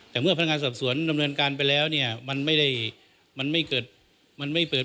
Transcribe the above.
แต่เมื่อพนักงานสอบสวนดำเนินการไปแล้วมันไม่ได้เปิด